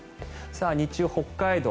日中、北海道